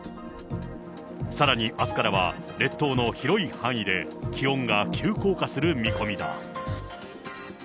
さらにあすからは、列島の広い範囲で、気温が急降下する見込みだ。